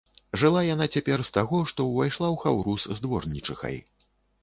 Жыла яна цяпер з таго, што ўвайшла ў хаўрус з дворнічыхай.